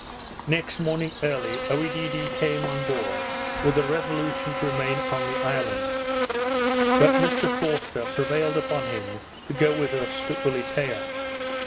Next morning early, Oedidee came on board, with a resolution to remain on the island; but Mr Forster prevailed upon him to go with us to Ulietea.